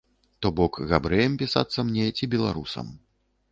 То бок габрэем пісацца мне ці беларусам.